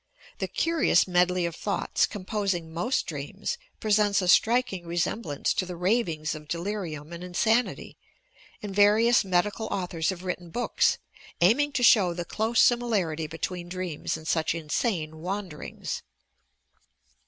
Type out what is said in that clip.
The curious medley of thoughts compoBing most dreams, presents a striking resemblance to the ravings of delirium and insanity, and various medical authors have written books, aiming to show the close similarity between dreams and such insane "wanderings."